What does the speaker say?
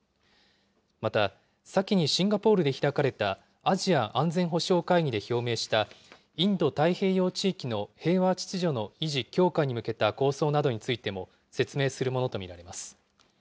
また、先にシンガポールで開かれた、アジア安全保障会議で表明した、インド太平洋地域の平和秩序の維持・強化に向けた構想などについても、説明するものと見られます。